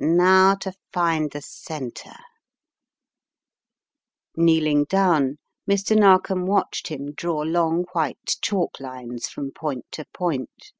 Now to find the centre/' Kneeling down, Mr. Narkom watched him draw long white chalk lines from point to point.